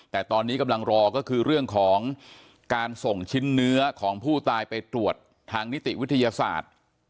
แต่ตอนนี้กำลังรอก็คือเรื่องของการส่งชิ้นเนื้อของผู้ตายไปตรวจทางนิติวิทยาศาสตร์